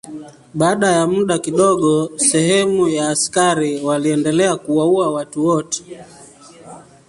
Baada ya muda kidogo sehemu ya askari waliendelea kuwaua watu wote.